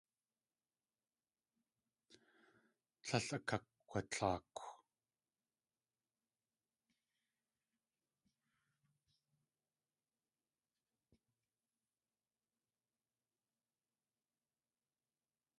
Tlél akakg̲watlaakw.